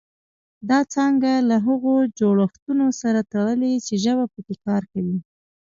دا څانګه له هغو جوړښتونو سره تړلې چې ژبه پکې کار کوي